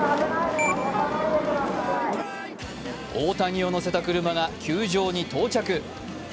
大谷を乗せた車が球場に到着。